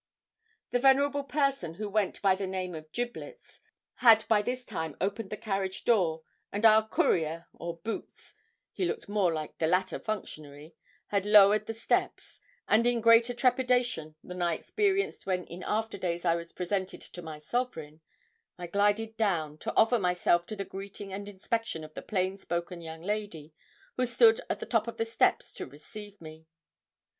The venerable person who went by the name of Giblets had by this time opened the carriage door, and our courier, or 'boots' he looked more like the latter functionary had lowered the steps, and in greater trepidation than I experienced when in after days I was presented to my sovereign, I glided down, to offer myself to the greeting and inspection of the plain spoken young lady who stood at the top of the steps to receive me.